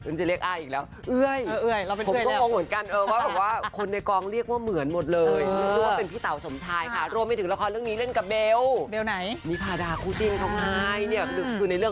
ในเรื่องเขาเป็นบอดิจิการ์ดจริง